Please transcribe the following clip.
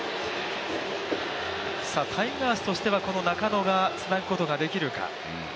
タイガースとしてはこの中野がつなぐことができるか。